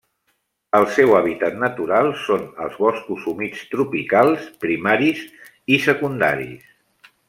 El seu hàbitat natural són els boscos humits tropicals primaris i secundaris.